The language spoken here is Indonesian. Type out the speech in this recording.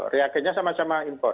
reagenya sama sama impor